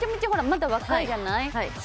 まだ若いじゃない？